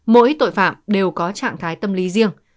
mỗi tội phạm đều có trạng thái tâm lý riêng